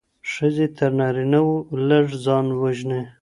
ښځي تر نارينه وو لږ ځان وژني.